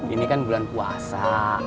ini kan bulan puasa